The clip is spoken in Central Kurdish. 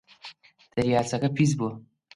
دەریاچەکە پیس بووە.